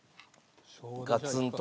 ガツンと。